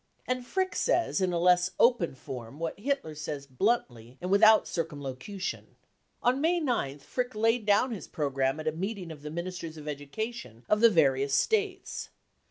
And Frick says in a less open form what Hitler says bluntly and without circum locution. On May gth Frick laid down his programme at a meeting of the Ministers of Education of the various States.